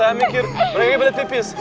saya mikir mereka udah tipis